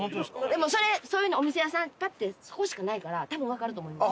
でもそれそういうようなお店屋さんパッてそこしかないから多分わかると思います。